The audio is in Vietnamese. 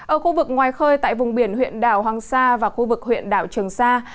ở khu vực ngoài khơi tại vùng biển huyện đảo hoàng sa và khu vực huyện đảo trường sa